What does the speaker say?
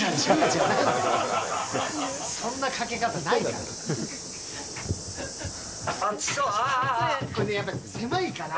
そんなかけ方ないから。